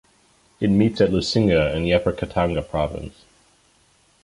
It meets at Lusinga in the Upper Katanga province.